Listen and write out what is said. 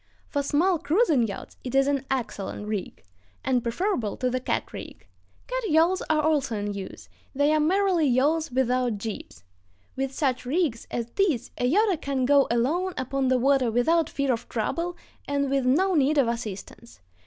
For small cruising yachts it is an excellent rig, and preferable to the cat rig. Cat yawls are also in use; they are merely yawls without jibs. With such rigs as these a yachter can go alone upon the water without fear of trouble and with no need of assistance.